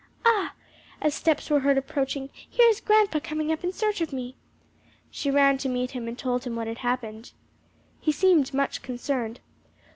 Ah!" as steps were heard approaching, "here is grandpa coming up in search of me." She ran to meet him and told him what had happened. He seemed much concerned.